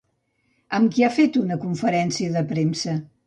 Amb qui ha fet una conferència de premsa?